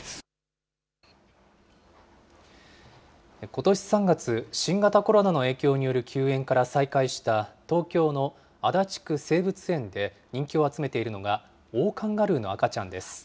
ことし３月、新型コロナの影響による休園から再開した東京の足立区生物園で人気を集めているのがオオカンガルーの赤ちゃんです。